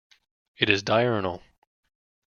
It is diurnal.